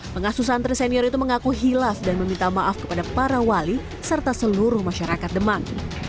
pengasuh santri senior itu mengaku hilaf dan meminta maaf kepada para wali serta seluruh masyarakat demak